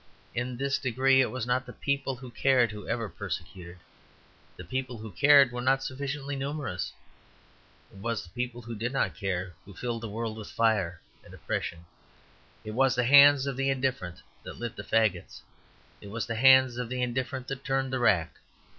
In this degree it was not the people who cared who ever persecuted; the people who cared were not sufficiently numerous. It was the people who did not care who filled the world with fire and oppression. It was the hands of the indifferent that lit the faggots; it was the hands of the indifferent that turned the rack.